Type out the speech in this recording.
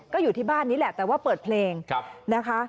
ก็อยู่ที่บ้านนี้แหละแต่ว่าเปิดเพลงนะคะ